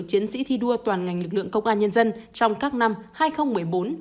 chiến sĩ thi đua toàn ngành lực lượng công an nhân dân trong các năm hai nghìn một mươi bốn hai nghìn một mươi bảy